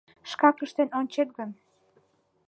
Шкак ыштен ончет гын...